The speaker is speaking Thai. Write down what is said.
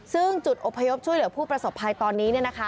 ซึ่งจุดอพยพช่วยเหลือผู้ประสบภัยตอนนี้